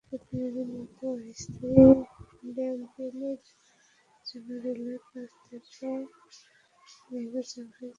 এরই মধ্যে অস্থায়ী ড্যাম্পিংয়ের জন্য রেলওয়ের কাছ থেকে জায়গা চাওয়া হয়েছে।